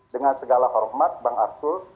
dengan segala hormat bang arsul